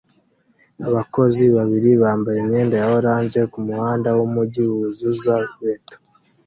Abakozi babiri bambaye imyenda ya orange kumuhanda wumujyi wuzuza beto